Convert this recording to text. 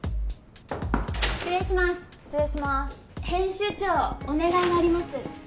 編集長お願いがあります